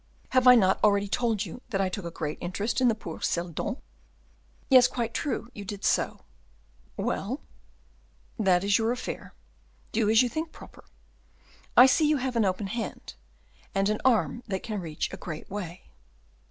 Have I not already told you that I took a great interest in poor Seldon?" "Yes, quite true, you did so." "Well?" "That is your affair; do as you think proper. I see you have an open hand, and an arm that can reach a great way."